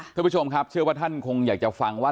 เพื่อผู้ชมน่ะเธอผ่านคงอยากจะฟังว่า